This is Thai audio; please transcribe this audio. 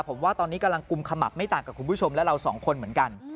ผมว่าตอนนี้กำลังกุมขมับไม่ต่างกับคุณผู้ชมและเราสองคนเหมือนกัน